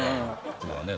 今度はね